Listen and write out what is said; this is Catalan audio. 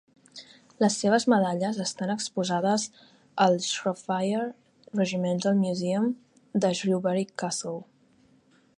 Les seves medalles estan exposades el Shropshire Regimental Museum de Shrewsbury Castle.